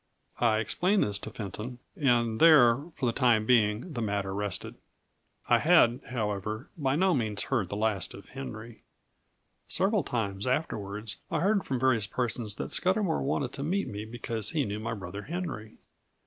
I explained this to Fenton; and there, for the time being, the matter rested. I had, however, by no means heard the last of Henry. Several times afterwards I heard from various persons that Scudamour wanted to meet me because he knew my brother Henry.